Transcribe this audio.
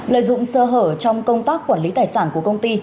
lợi dụng sơ hở trong công tác quản lý tài sản của công ty